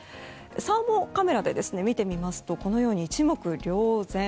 サーモカメラで見てみますとこのように、一目瞭然。